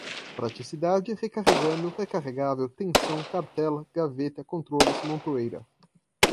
praticidade, recarregando, recarregável, tensão, cartela, gaveta, controles, montoeira